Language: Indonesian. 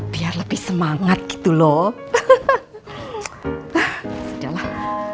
biar lebih semangat gitu loh